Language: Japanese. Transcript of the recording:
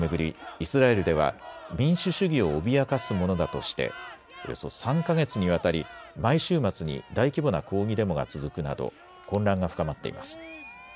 イスラエルでは民主主義を脅かすものだとしておよそ３か月にわたり毎週末に大規模な抗議デモが続くなど混乱が深まっています。